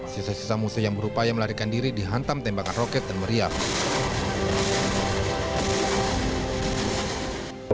sisa sisa muse yang berupaya melarikan diri dihantam tembakan roket dan meriam